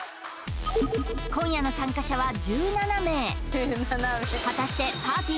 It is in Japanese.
今夜の参加者は１７名果たしてぱーてぃ